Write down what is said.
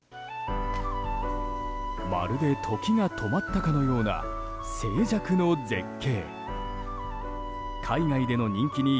まるで時が止まったかのような静寂の絶景。